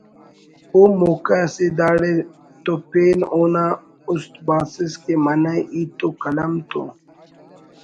ءُ موقع اسے داڑے تو پین اونا است باسس کہ منہ ہیت تو قلم تو